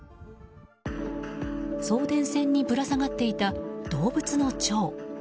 送電線にぶら下がっていた動物の腸。